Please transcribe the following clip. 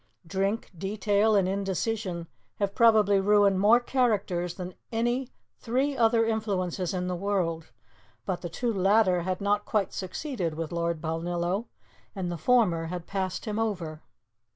Drink, detail and indecision have probably ruined more characters than any three other influences in the world; but the two latter had not quite succeeded with Lord Balnillo, and the former had passed him over.